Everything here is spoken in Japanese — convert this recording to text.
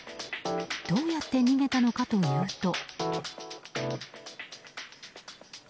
どうやって逃げたのかというと。